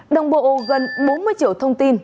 đồng bộ gần bốn mươi triệu thông tin